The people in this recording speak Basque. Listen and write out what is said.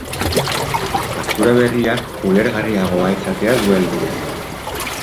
Faktura berriak ulergarriagoa izatea du helburu.